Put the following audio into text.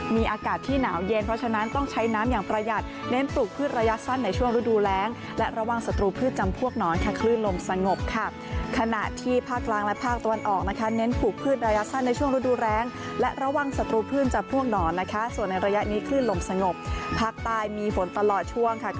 มีอากาศที่หนาวเย็นเพราะฉะนั้นต้องใช้น้ำอย่างประหยัดเน้นปลูกพืชระยะสั้นในช่วงฤดูแรงและระวังศัตรูพืชจำพวกหนอนค่ะคลื่นลมสงบค่ะขณะที่ภาคล้างและภาคตะวันออกนะคะเน้นปลูกพืชระยะสั้นในช่วงฤดูแรงและระวังศัตรูพืชจากพวกหนอนนะคะส่วนในระยะนี้คลื่นลมสงบภาคใต้มีฝนตลอดช่วงค่ะ